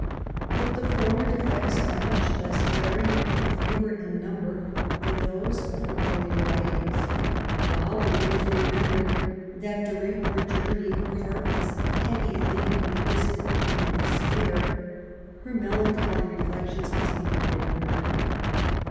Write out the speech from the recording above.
But the former defects are much less glaring and fewer in number than those of her earlier writings; while, when it is remembered that during her journey her heart was heavy laden with disappointment and despair, her melancholy reflections must be forgiven her.